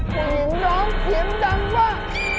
ผู้หญิงน้องเข็มดังว่า